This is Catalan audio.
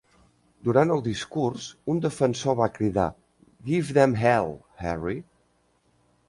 Durant el discurs, un defensor va cridar "Give 'em Hell, Harry!".